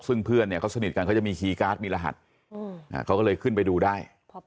ซึ่งเพื่อนเนี่ยเขาสนิทกันเขาจะมีคีย์การ์ดมีรหัสเขาก็เลยขึ้นไปดูได้